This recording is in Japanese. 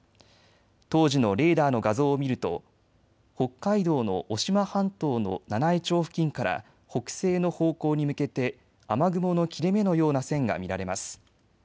当時のレーダーの画像を見ると北海道の渡島半島の七飯町付近から北西の方向に向けて雨雲の切れ目のような線が見られます。